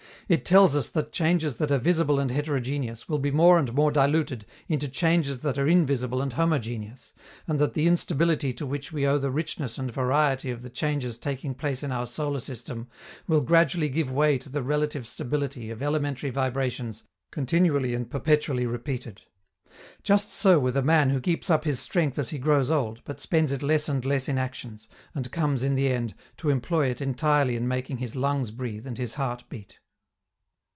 It tells us that changes that are visible and heterogeneous will be more and more diluted into changes that are invisible and homogeneous, and that the instability to which we owe the richness and variety of the changes taking place in our solar system will gradually give way to the relative stability of elementary vibrations continually and perpetually repeated. Just so with a man who keeps up his strength as he grows old, but spends it less and less in actions, and comes, in the end, to employ it entirely in making his lungs breathe and his heart beat.